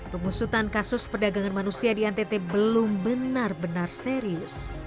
pengusutan kasus perdagangan manusia di ntt belum benar benar serius